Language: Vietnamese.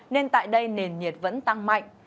nên tại đây nền nhiệt vẫn tăng mạnh